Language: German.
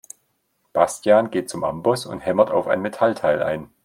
Bastian geht zum Amboss und hämmert auf ein Metallteil ein.